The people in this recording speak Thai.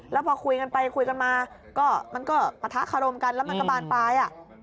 แล้วพอคุยกันไปคุยกันมาก็มันก็ปะทะคารมกันแล้วมันก็บานปลาย